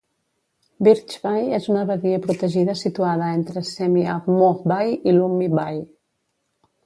Birch Bay és una badia protegida situada entre Semiahmoo Bay i Lummi Bay.